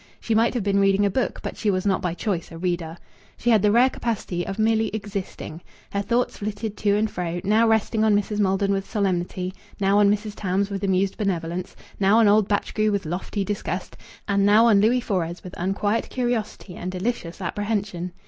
She might have been reading a book, but she was not by choice a reader. She had the rare capacity of merely existing. Her thoughts flitted to and fro, now resting on Mrs. Maldon with solemnity, now on Mrs. Tams with amused benevolence, now on old Batchgrew with lofty disgust, and now on Louis Fores with unquiet curiosity and delicious apprehension.